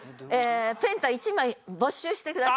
ペンた１枚没収して下さい。